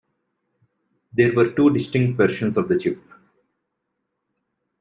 There were two distinct versions of the chip.